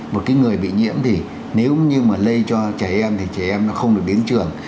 một cái người bị nhiễm thì nếu như mà lây cho trẻ em thì trẻ em nó không được đến trường